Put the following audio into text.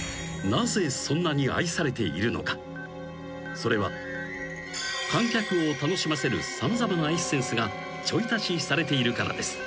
［それは観客を楽しませる様々なエッセンスがちょい足しされているからです］